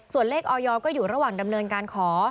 ส่วนเลขออยก็อยู่ระหว่างดำเนินการขอ